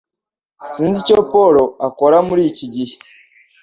Sinzi icyo paul akora muri iki gihe